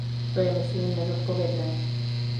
To je myslím nezodpovědné.